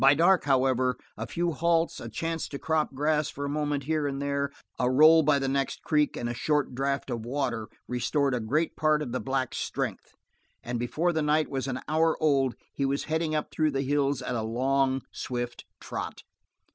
By dark, however, a few halts, a chance to crop grass for a moment here and there, a roll by the next creek and a short draught of water, restored a great part of the black's strength, and before the night was an hour old he was heading up through the hills at a long, swift trot.